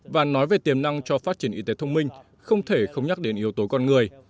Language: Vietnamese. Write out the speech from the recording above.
và nói về tiềm năng cho phát triển y tế thông minh không thể không nhắc đến yếu tố con người